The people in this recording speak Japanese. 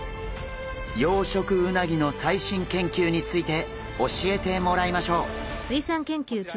養殖うなぎの最新研究について教えてもらいましょう！